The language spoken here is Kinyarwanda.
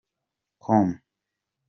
com .